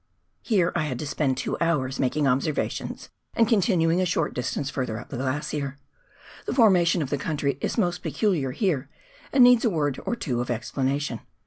Here I had to spend two hours making observations, and con tinuing a short distance further up the glacier. The formation of the country is most peculiar here, and needs a word or two of explanation.